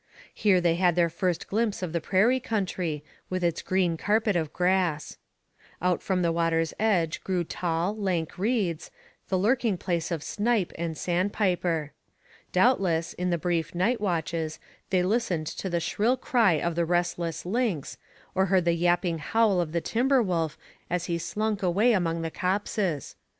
Here they had their first glimpse of the prairie country, with its green carpet of grass. Out from the water's edge grew tall, lank reeds, the lurking place of snipe and sand piper. Doubtless, in the brief night watches, they listened to the shrill cry of the restless lynx, or heard the yapping howl of the timber wolf as he slunk away among the copses.